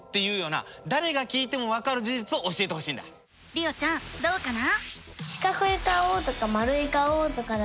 りおちゃんどうかな？